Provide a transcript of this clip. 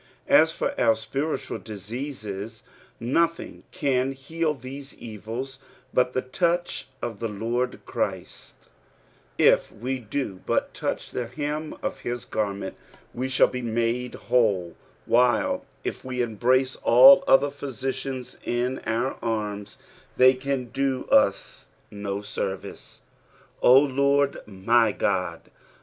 As for our spiritual diseases, nothing cnn heal these evils but the touch of the Lord Christ : if we do but touch the hem of his garment, we shall be made whole, while if we embrace all other physicians in our arms, they can do us no service. " 0 Lord my Ood."